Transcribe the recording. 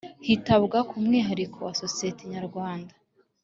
Hitabwa ku mwihariko wa sosiyete nyarwanda